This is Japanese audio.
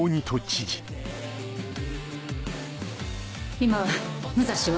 今武蔵は。